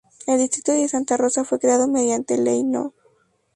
El distrito de Santa Rosa fue creado mediante Ley No.